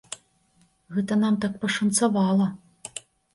Гэта нам так пашанцавала.